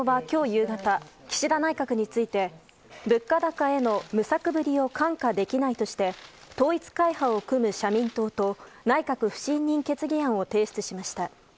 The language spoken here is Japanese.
夕方岸田内閣について物価高への無策ぶりを看過できないとして統一会派を組む社民党と内閣不信任決議案を提出しました。